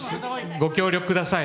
ご協力ください。